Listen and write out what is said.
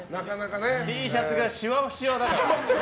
Ｔシャツがしわしわだから。